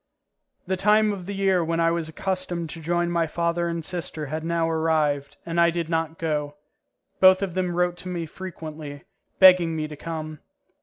The time of the year when I was accustomed to join my father and sister had now arrived, and I did not go; both of them wrote to me frequently, begging me to come.